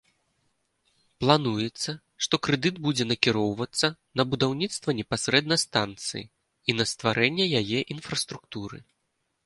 Плануецца, што крэдыт будзе накіроўвацца на будаўніцтва непасрэдна станцыі і на стварэнне яе інфраструктуры.